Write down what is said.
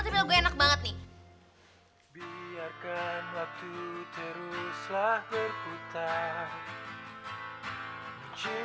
tapi lagu enak banget nih